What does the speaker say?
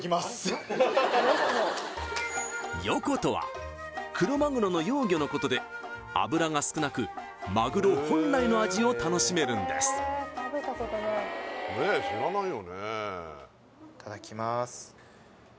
ヨコとは黒マグロの幼魚のことで脂が少なくマグロ本来の味を楽しめるんですいただきます